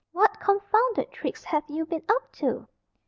"What confounded tricks have you been up to?"